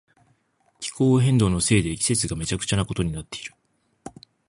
気候変動のせいで季節がめちゃくちゃなことになっている。